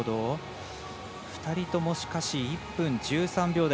２人とも、しかし１分１３秒台。